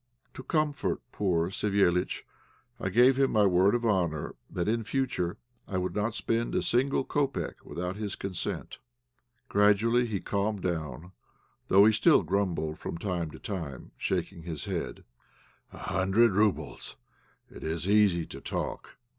To comfort poor Savéliitch, I gave him my word of honour that in future I would not spend a single kopek without his consent. Gradually he calmed down, though he still grumbled from time to time, shaking his head "A hundred roubles, it is easy to talk!"